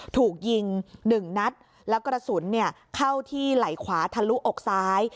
ถูกยิงหนึ่งนัดแล้วกระสุนเข้าที่ไหล่ขวาทะลุอกซ้าย